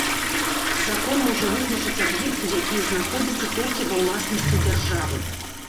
Закон можа вызначыць аб'екты, якія знаходзяцца толькі ва ўласнасці дзяржавы.